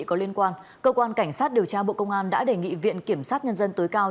có liên quan cơ quan cảnh sát điều tra bộ công an đã đề nghị viện kiểm sát nhân dân tối cao